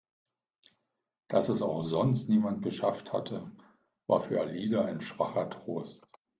Dass es auch sonst niemand geschafft hatte, war für Alida ein schwacher Trost.